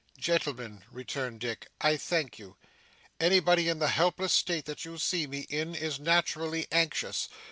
'Gentlemen,' returned Dick, 'I thank you. Anybody in the helpless state that you see me in, is naturally anxious.